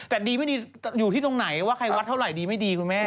แต่ดีไม่ดีอยู่ที่ตรงไหนว่าใครวัดเท่าไหร่ดีไม่ดีคุณแม่